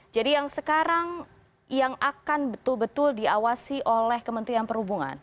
jadi yang sekarang yang akan betul betul diawasi oleh kementerian perhubungan